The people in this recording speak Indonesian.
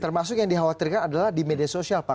termasuk yang dikhawatirkan adalah di media sosial pak